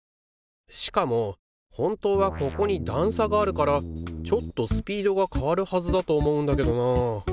しかも本当はここに段差があるからちょっとスピードが変わるはずだと思うんだけどなあ。